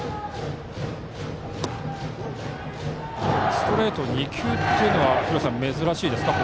ストレート２球は廣瀬さん、珍しいですか。